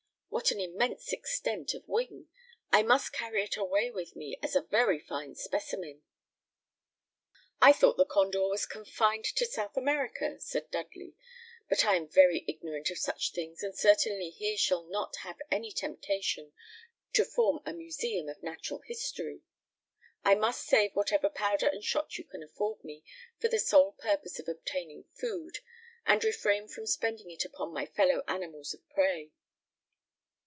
"What an immense extent of wing! I must carry it away with me as a very fine specimen." "I thought the condor was confined to South America," said Dudley; "but I am very ignorant of such subjects, and certainly here shall not have any temptation to form a museum of natural history. I must save whatever powder and shot you can afford me, for the sole purpose of obtaining food, and refrain from spending it upon my fellow animals of prey."